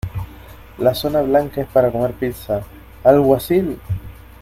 La zona blanca es para comer pizza ¡ Alguacil!